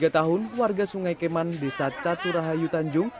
tiga tahun warga sungai keman desa caturahayu tanjung